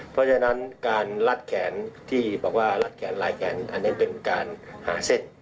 เพราะฉะนั้นการลัดแขนที่บอกว่ารัดแขนลายแขนอันนั้นเป็นการหาเส้น